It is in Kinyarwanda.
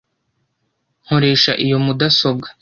Nkoresha iyo mudasobwa .